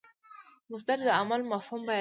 مصدر د عمل مفهوم بیانوي.